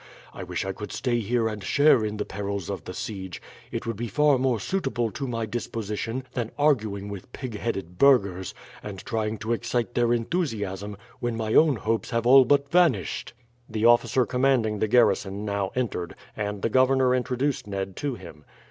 I wish I could stay here and share in the perils of the siege. It would be far more suitable to my disposition than arguing with pig headed burghers, and trying to excite their enthusiasm when my own hopes have all but vanished." The officer commanding the garrison now entered, and the governor introduced Ned to him.